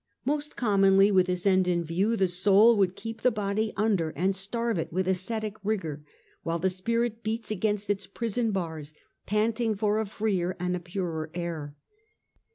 Most commonly, with this end in view, the soul would keep the body under and starve it with ascetic rigour, while the spirit beats against its prison bars, panting for a freer and a purer air.